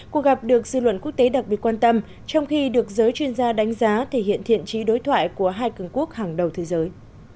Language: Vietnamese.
cuộc gặp được dư luận quốc tế đặc biệt quan tâm trong khi được giới chuyên gia đánh giá thể hiện thiện trí đối thoại của hai cường quốc hàng đầu thế giới